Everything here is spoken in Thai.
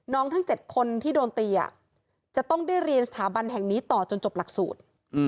ทั้ง๗คนที่โดนตีจะต้องได้เรียนสถาบันแห่งนี้ต่อจนจบหลักสูตร